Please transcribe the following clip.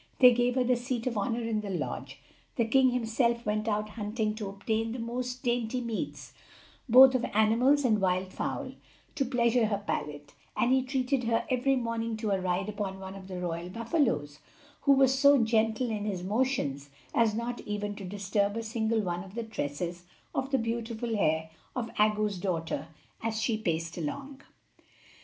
They gave her the seat of honor in the lodge. The king himself went out hunting to obtain the most dainty meats, both of animals and wild fowl, to pleasure her palate; and he treated her every morning to a ride upon one of the royal buffalos, who was so gentle in his motions as not even to disturb a single one of the tresses of the beautiful hair of Aggo's daughter as she paced along.